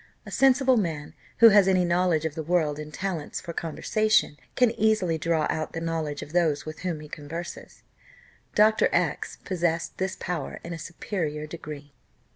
A sensible man, who has any knowledge of the world and talents for conversation, can easily draw out the knowledge of those with whom he converses. Dr. X possessed this power in a superior degree.